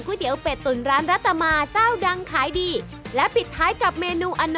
ก๋วยเตี๋ยวเป็ดตุ๋นร้านรัตตามาเจ้าดังไขดีและปิดท้ายกับเมนู